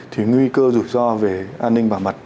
thì nguy cơ rủi ro về an ninh bảo mật